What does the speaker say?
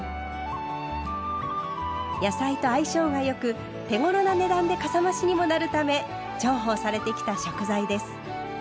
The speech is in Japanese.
野菜と相性がよく手ごろな値段でかさ増しにもなるため重宝されてきた食材です。